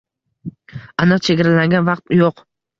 Aniq chegaralangan vaqt yo’q